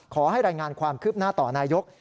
ขอให้รายงานความคืบหน้าต่อนายก